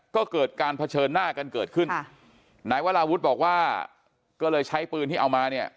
ก็เกิดการเผชิญหน้ากันเกิดขึ้นค่ะนายวราวุฒิบอกว่าก็เลยใช้ปืนที่เอามาเนี่ย